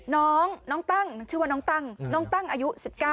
น้องน้องตั้งชื่อว่าน้องตั้งน้องตั้งอายุ๑๙